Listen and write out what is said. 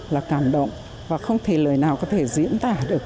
là cảm động và không thể lời nào có thể diễn tả được